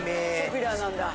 ポピュラーなんだ。